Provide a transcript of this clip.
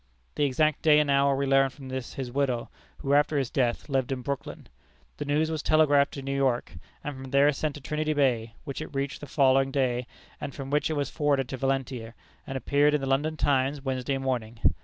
The exact day and hour we learned from his widow, who after his death lived in Brooklyn. The news was telegraphed to New York, and from there sent to Trinity Bay, which it reached the following day, and from which it was forwarded to Valentia, and appeared in the London Times Wednesday morning.